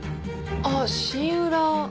あっシンウラ。